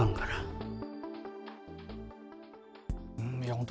本当